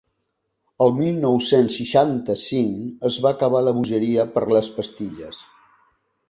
El mil nou-cents seixanta-cinc es va acabar la bogeria per les pastilles.